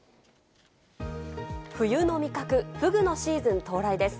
冬の味覚、フグのシーズン到来です。